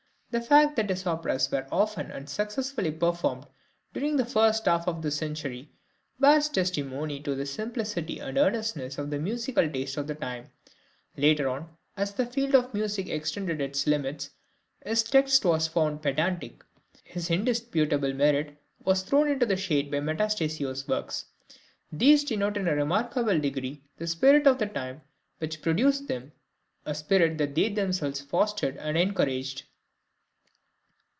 The fact that his operas were often and successfully performed during the first half of the century bears testimony to the simplicity and earnestness of the musical taste of the time; later on, as the field of music extended its limits, his text was found pedantic. His indisputable merit was thrown into the shade by Metastasio's works; these denote in a remarkable degree the spirit of the time which produced them, a spirit that they themselves fostered and encouraged.